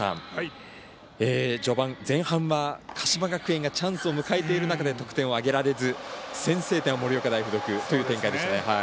序盤、前半は鹿島学園がチャンスを迎えている中で得点を挙げられず先制点は盛岡大付属という展開でした。